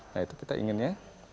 nah itu kita ingin ya